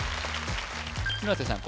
村瀬さん